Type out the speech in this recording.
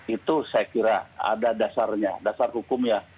itu saya kira ada dasarnya dasar hukumnya